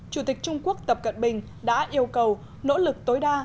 chủ tịch trung quốc tập cận bình đã yêu cầu nỗ lực tối đa